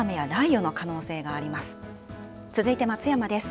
続いて大阪です。